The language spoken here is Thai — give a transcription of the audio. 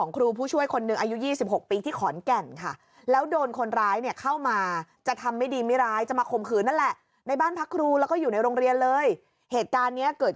ในบ้านพักครูแล้วก็อยู่ในโรงเรียนเลยเหตุการณ์นี้เกิด